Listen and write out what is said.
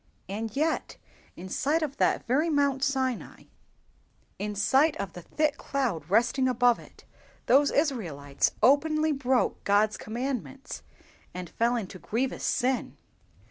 And yet, in sight of that very Mount Sinai, in sight of the thick cloud resting above it, those Israelites openly broke God's commandments, and fell into grievous sin!